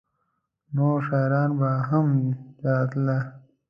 نور شاعران به هم راتله؟